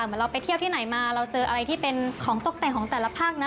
เหมือนเราไปเที่ยวที่ไหนมาเราเจออะไรที่เป็นของตกแต่งของแต่ละภาคนะ